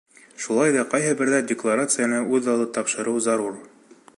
Шулай ҙа ҡайһы берҙә декларацияны үҙаллы тапшырыу зарур.